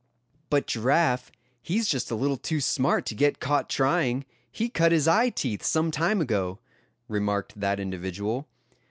"But Giraffe, he's just a little too smart to get caught trying; he cut his eye teeth some time ago;" remarked that individual.